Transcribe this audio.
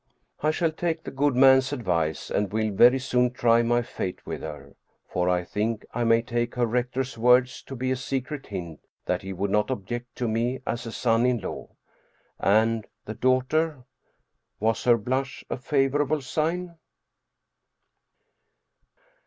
I shall take the good man's advice and will very soon try my fate with her. For I think I may take the rector's words to be a secret hint that he would not object to me as a son in law. And the daughter? Was her blush a favorable sign?